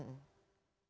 kita menambah sungai baru